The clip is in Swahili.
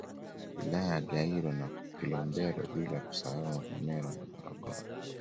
Wilaya ya Gairo na Kilombero bila kusahau Mvomero na Morogoro